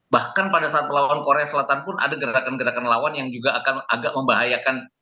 bahkan pada saat melawan korea selatan pun ada gerakan gerakan lawan yang juga akan agak membahayakan